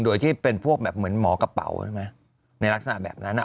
โดยที่เป็นพวกแบบเหมือนหมอกระเป๋าใช่ไหมในลักษณะแบบนั้น